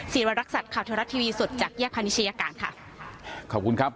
วรรณรักษัตริย์ข่าวเทวรัฐทีวีสดจากแยกพาณิชยาการค่ะขอบคุณครับ